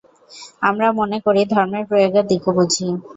আমরা মনে করি, ধর্মের প্রয়োগের দিকও বুঝি।